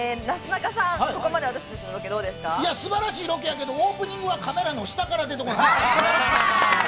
素晴らしいロケやけど、オープニングはカメラの下から出てこな。